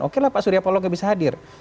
oke lah pak surya paloh nggak bisa hadir